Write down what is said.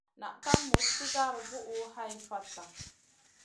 Naʼ ka muz sigara buʼu hai fata.